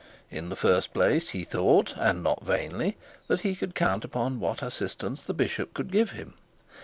In the first place he thought and not vainly that he could count upon what assistance the bishop could give him.